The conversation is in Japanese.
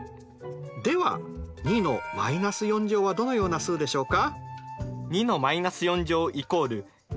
では２はどのような数でしょうか？